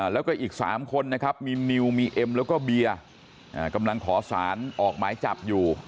แล้วก็อีก๓คนนะครับมีนิวมีเอ็มแล้วก็เบียร์กำลังขอสารออกหมายจับอยู่